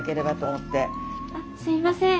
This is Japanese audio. あっすいません。